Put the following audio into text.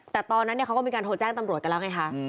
แต่ตอนนั้นเขาก็มีการโทรแจ้งตำรวจกันแล้วไงคะ